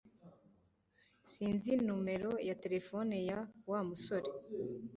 Sinzi numero ya terefone ya Wa musore